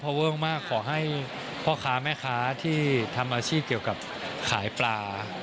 เวอร์มากขอให้พ่อค้าแม่ค้าที่ทำอาชีพเกี่ยวกับขายปลา